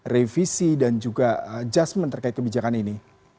revisi dan juga adjustment terkait kebijakan ini